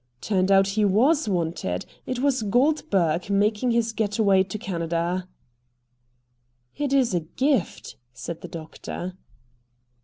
Turned out he WAS wanted. It was Goldberg, making his getaway to Canada." "It is a gift," said the doctor.